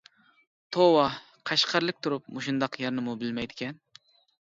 توۋا قەشقەرلىك تۇرۇپ مۇشۇنداق يەرنىمۇ بىلمەيدىكەن.